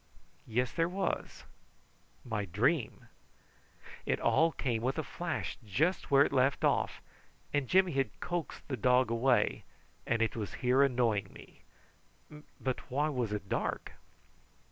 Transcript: Yes there was my dream. It all came with a flash just where it left off, and Jimmy had coaxed the dog away, and it was here annoying me. But why was it dark?